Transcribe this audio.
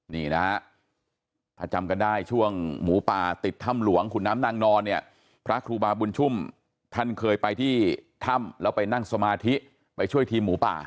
นี่นะฮะถ้าจำกันได้ช่วงหมูป่าติดถ้ำหลวงขุนน้ำนางนอนเนี่ยพระครูบาบุญชุ่มท่านเคยไปที่ถ้ำแล้วไปนั่งสมาธิไปช่วยทีมหมูป่า